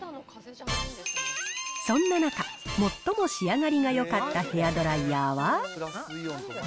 そんな中、最も仕上がりがよかったヘアドライヤーは。